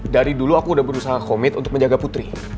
dari dulu aku udah berusaha komit untuk menjaga putri